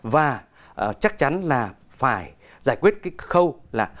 và chắc chắn là phải giải quyết cái khâu là